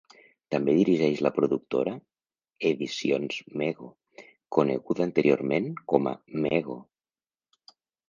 També dirigeix la productora Editions Mego, coneguda anteriorment com a Mego.